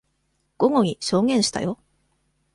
午後に証言したよ。